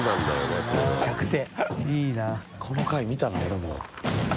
この回見たな俺も。